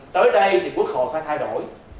tới đây thì quốc hội phải thay đổi